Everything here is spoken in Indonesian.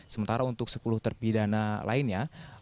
sementara untuk sepuluh terpi dana lainnya